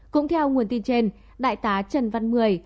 cũng theo nguồn tin trên đại tá trần văn mười